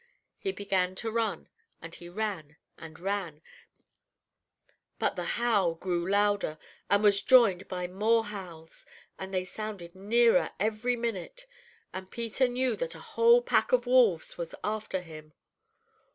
He began to run, and he ran and ran, but the howl grew louder, and was joined by more howls, and they sounded nearer every minute, and Peter knew that a whole pack of wolves was after him.